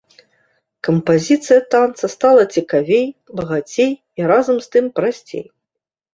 Кампазіцыя танца стала цікавей, багацей і разам з тым прасцей.